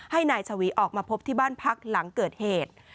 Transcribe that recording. ให้นายชวีออกมาพบที่บ้านพักหลังเกิดเหตุ